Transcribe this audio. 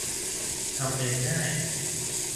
ทำเองง่าย